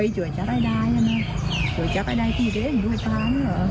ช่วยจะได้ใดช่วยจะไปใดทีเสร็จด้วยการ